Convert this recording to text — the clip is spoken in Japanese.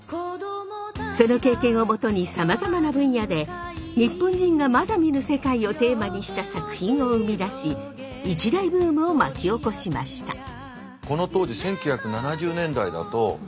その経験を基にさまざまな分野で日本人がまだ見ぬ世界をテーマにした作品を生み出し一大ブームを巻き起こしました。